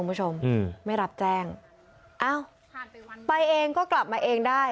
คุณผู้ชมอืมไม่รับแจ้งอ้าวไปเองก็กลับมาเองได้